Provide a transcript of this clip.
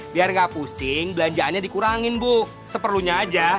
biar gak pusing belanjaannya dikurangin bu seperlunya aja